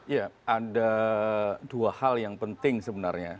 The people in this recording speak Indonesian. ya ada dua hal yang penting sebenarnya